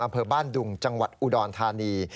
อำเภอบ้านดุงจังหวัดอุดรธานี